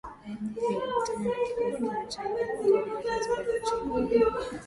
Nilikutana na kikundi kinachoibeba kauli ya Zanzibar na uchumi wa buluu